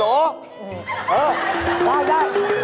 เออจ้าวได้